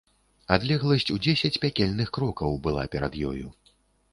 Адлегласць у дзесяць пякельных крокаў была перад ёю.